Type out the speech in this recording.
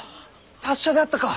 達者であったか。